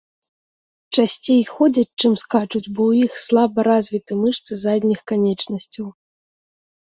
Часцей ходзяць, чым скачуць, бо у іх слаба развіты мышцы задніх канечнасцяў.